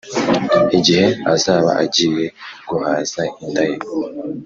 igihe azaba agiye guhaza inda ye,